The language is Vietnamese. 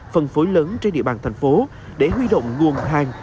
phân phối lớn trên địa bàn thành phố để huy động nguồn hàng